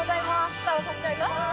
スターを差し上げます。